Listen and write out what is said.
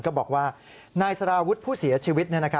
ก็บอกว่านายสารวุฒิผู้เสียชีวิต